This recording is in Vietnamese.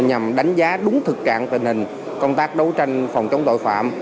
nhằm đánh giá đúng thực trạng tình hình công tác đấu tranh phòng chống tội phạm